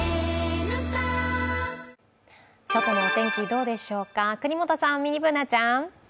どうでしょうか、國本さん、ミニＢｏｏｎａちゃん。